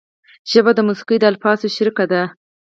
ژبه د موسیقۍ د الفاظو شریک ده